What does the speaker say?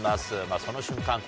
その瞬間